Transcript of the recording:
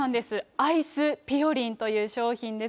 アイス、ぴよりんという商品です。